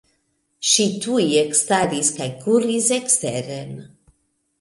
Ŝi tuj ekstaris kaj kuris eksteren.